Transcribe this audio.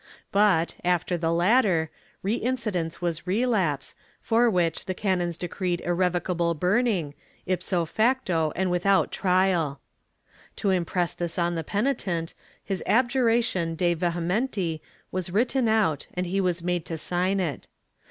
But, after the latter, reincidence was relapse, for which the canons decreed irrevocable burning, ipso facto and without trial. To impress this on the penitent, his abjuration de vehementi was written out and he was made to sign it.